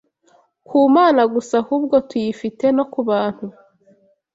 ku Mana gusa ahubwo tuyifite no bantu